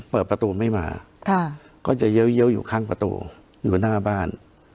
เปิดประตูไม่มาก็จะเยอะอยู่ข้างประตูอยู่หน้าบ้าน